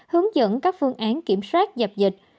hướng dẫn các phương án kiểm soát dập dịch